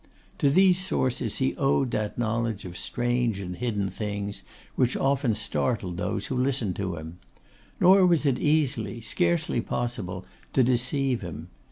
To these sources he owed that knowledge of strange and hidden things which often startled those who listened to him. Nor was it easy, scarcely possible, to deceive him.